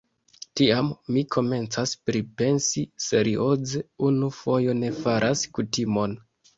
Tiam, mi komencas pripensi serioze: unu fojo ne faras kutimon.